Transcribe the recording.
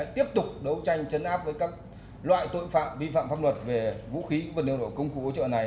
tiếp tục đấu tranh chấn áp với các loại tội phạm vi phạm pháp luật về vũ khí vật liệu nổ công cụ hỗ trợ này